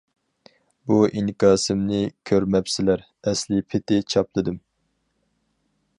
بۇ ئىنكاسىمنى كۆرمەپسىلەر ئەسلى پېتى چاپلىدىم.